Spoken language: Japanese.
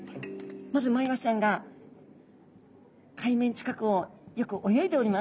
まずマイワシちゃんが海面近くをよく泳いでおります。